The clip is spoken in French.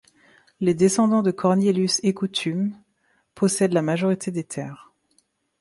Les descendants de Cornélius Écoutum possèdent la majorité des terres.